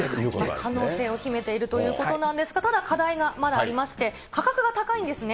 可能性を秘めているということなんですが、ただまだ課題がありまして、価格が高いんですね。